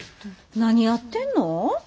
何やってんの？